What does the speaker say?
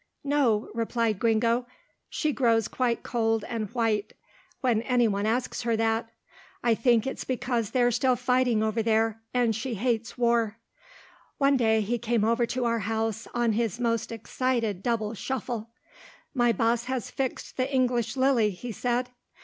"No," replied Gringo, "she grows quite cold and white, when any one asks her that. I think it's because they're still fighting over there, and she hates war." One day, he came over to our house on his most excited double shuffle. "My boss has fixed the English lily," he said.